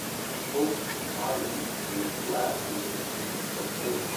Hosts Thailand finished last in their group with one point.